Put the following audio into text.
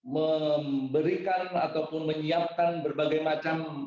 memberikan ataupun menyiapkan berbagai macam